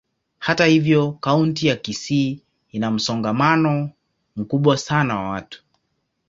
Hata hivyo, kaunti ya Kisii ina msongamano mkubwa sana wa watu.